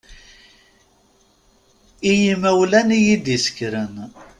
I yimawlan i yi-d-isekren.